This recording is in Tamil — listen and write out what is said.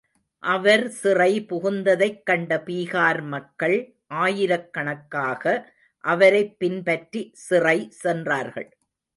அவர் சிறை புகுந்ததைக் கண்ட பீகார் மக்கள் ஆயிரக்கணக்காக அவரைப் பின்பற்றி சிறை சென்றார்கள்.